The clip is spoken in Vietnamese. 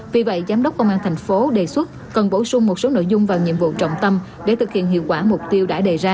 vì vậy giám đốc công an thành phố đề xuất cần bổ sung một số nội dung và nhiệm vụ trọng tâm để thực hiện hiệu quả mục tiêu đã đề ra